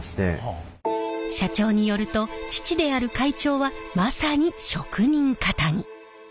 社長によると父である会長はまさに職人かたぎ。